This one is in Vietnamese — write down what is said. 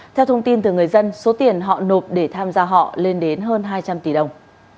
theo thông tin từ người dân số tiền họ nộp để tham gia họ lên đến hơn hai trăm linh tỷ đồng